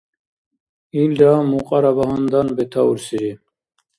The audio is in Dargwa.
Илра мукьара багьандан бетаурсири.